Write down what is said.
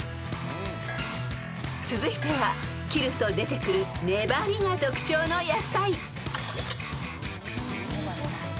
［続いては切ると出てくる粘りが特徴の野菜］